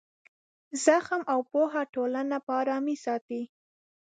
زغم او پوهه ټولنه په ارامۍ ساتي.